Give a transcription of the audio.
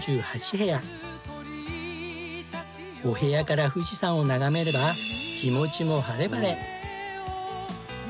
お部屋から富士山を眺めれば気持ちも晴れ晴れ。